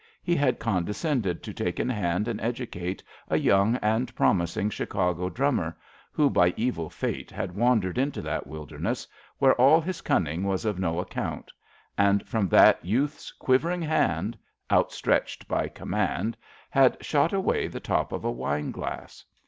He had condescended to take in hand and educate a young and promising Chicago drummer, who by evil fate had wandered into that wilderness, where all his cunning was of no account; and from that youth's quivering hand — outstretched by com mand — ^had shot away the top of a wineglass.